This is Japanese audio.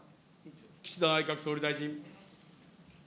岸田内閣総理大臣。